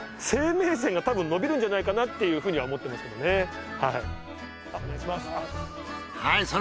生命線がたぶんのびるんじゃないかなっていうふうには思ってますけどねはい。